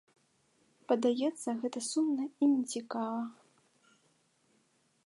Падаецца, гэта сумна і не цікава.